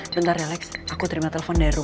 bentar relax aku terima telepon dari rumah dulu